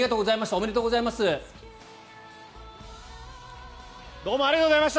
おめでとうございます。